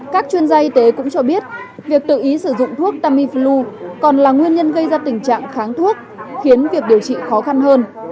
các chuyên gia y tế cũng cho biết việc tự ý sử dụng thuốc tamiflu còn là nguyên nhân gây ra tình trạng kháng thuốc khiến việc điều trị khó khăn hơn